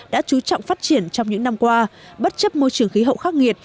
đã chú trọng phát triển trong những năm qua bất chấp môi trường khí hậu khắc nghiệt